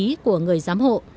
đồng ý của người giám hộ